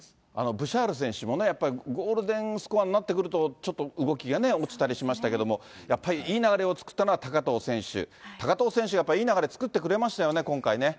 ブシャール選手もね、やっぱりゴールデンスコアになってくると、ちょっと動きがね、落ちたりしましたけど、やっぱりいい流れを作ったのは高藤選手、高藤選手がやっぱりいい流れ作ってくれましたよね、今回ね。